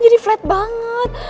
jadi flat banget